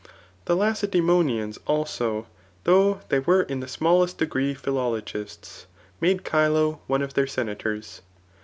The Lacedaemonians^ also, though they were in the smallest degree philologists, made Chilo one of their senators.